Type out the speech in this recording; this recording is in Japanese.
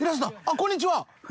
こんにちは。